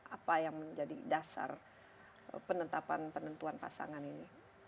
apa yang menjadi dasar penetapan penentuan pasangan ini